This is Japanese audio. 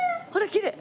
きれい。